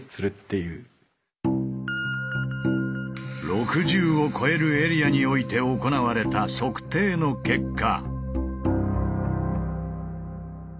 ６０を超えるエリアにおいて行われた測定の結果。